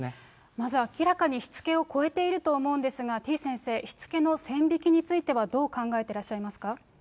まず明らかにしつけを超えていると思うんですが、てぃ先生、しつけの線引きについてはどう考えてらっしゃいますか。